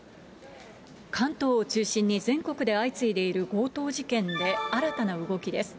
関東を中心に全国で相次いでいる強盗事件で、新たな動きです。